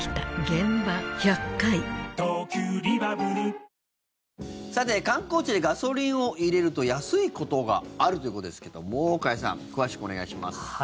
三井不動産観光地でガソリンを入れると安いことがあるということですけども加谷さん詳しくお願いします。